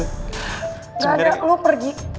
gak ada lo pergi